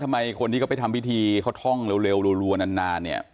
คนที่เขาไปทำพิธีเขาท่องเร็วรัวนานเนี่ย